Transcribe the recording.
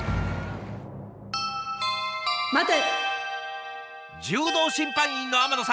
待て。